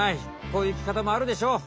こういう生きかたもあるでしょう。